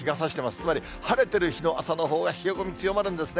つまり晴れてる日の朝のほうが冷え込み強まるんですね。